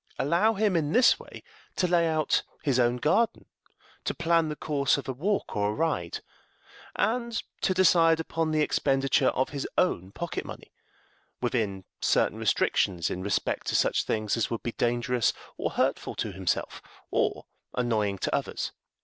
Allow him in this way to lay out his own garden, to plan the course of a walk or a ride, and to decide upon the expenditure of his own pocket money, within certain restrictions in respect to such things as would be dangerous or hurtful to himself, or annoying to others.